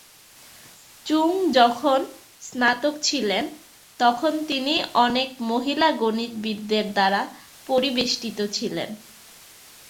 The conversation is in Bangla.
চুং যখন স্নাতক ছিলেন, তখন তিনি অনেক মহিলা গণিতবিদদের দ্বারা পরিবেষ্টিত ছিলেন।